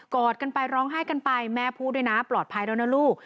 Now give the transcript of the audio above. อดกันไปร้องไห้กันไปแม่พูดด้วยนะปลอดภัยแล้วนะลูก